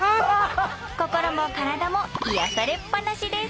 心も体も癒やされっぱなしです！